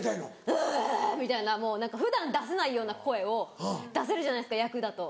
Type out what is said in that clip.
ウア！みたいなもう何か普段出せないような声を出せるじゃないですか役だと。